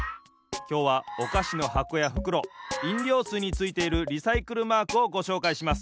きょうはおかしのはこやふくろいんりょうすいについているリサイクルマークをごしょうかいします。